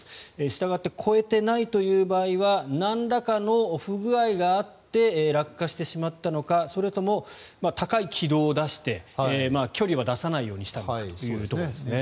したがって越えていないという場合はなんらかの不具合があって落下してしまったのかそれとも高い軌道を出して距離は出さないようにしたのかということですね。